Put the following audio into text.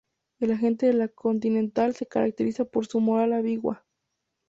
El agente de la Continental se caracteriza por su moral ambigua.